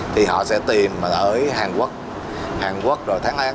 thì họ sẽ tìm ở hàn quốc hàn quốc rồi tháng an